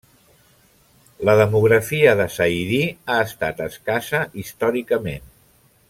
La demografia de Saidí ha estat escassa històricament.